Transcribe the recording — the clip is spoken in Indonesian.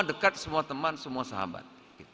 dekat semua teman semua sahabat